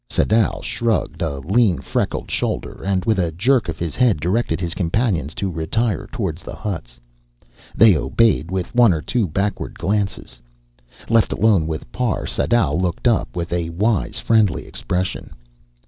Sadau shrugged a lean freckled shoulder, and with a jerk of his head directed his companions to retire toward the huts. They obeyed, with one or two backward glances. Left alone with Parr, Sadau looked up with a wise, friendly expression.